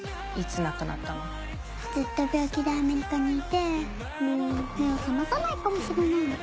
ずっと病気でアメリカにいてもう目を覚まさないかもしれないの。